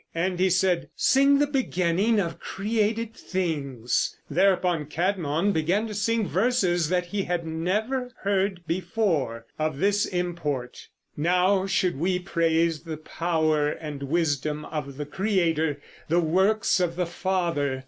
and he said, "Sing the beginning of created things." Thereupon Cædmon began to sing verses that he had never heard before, of this import: "Now should we praise the power and wisdom of the Creator, the works of the Father."